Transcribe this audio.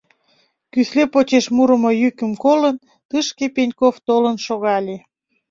Кӱсле почеш мурымо йӱкым колын, тышке Пеньков толын шогале.